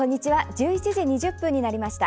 １１時２０分になりました。